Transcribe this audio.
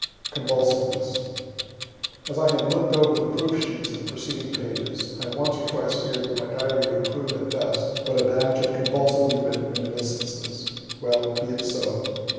"CONVULSIVENESS" As I have look'd over the proof sheets of the preceding pages, I have once or twice fear'd that my diary would prove, at best, but a batch of convulsively written reminiscences. Well, be it so.